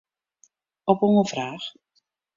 Op oanfraach.